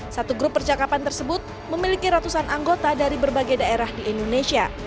satu grup percakapan tersebut memiliki ratusan anggota dari berbagai daerah di indonesia